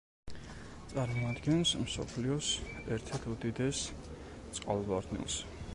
წარმოადგენს მსოფლიოს ერთ-ერთ უდიდეს წყალვარდნილს.